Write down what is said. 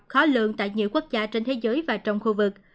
khó lượng tại nhiều quốc gia trên thế giới và trong khu vực